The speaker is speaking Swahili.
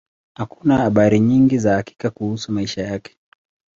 Hakuna habari nyingi za hakika kuhusu maisha yake.